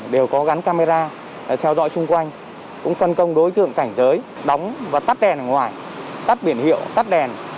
đều có gắn camera theo dõi xung quanh cũng phân công đối tượng cảnh giới đóng và tắt đèn ở ngoài tắt biển hiệu tắt đèn